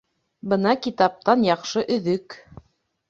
Бына китаптан яҡшы өҙөк